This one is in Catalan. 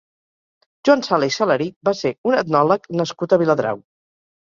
Joan Sala i Salarich va ser un etnòleg nascut a Viladrau.